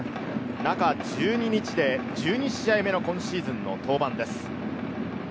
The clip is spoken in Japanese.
中１２日で１２試合目の今シーズンの登板です。